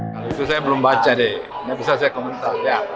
kalau itu saya belum baca deh nggak bisa saya komentar